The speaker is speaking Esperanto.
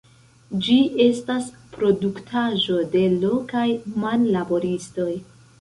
Ĝi estas produktaĵo de lokaj manlaboristoj.